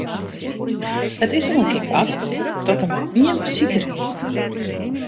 It is al in kear bard dat der mar ien besiker wie.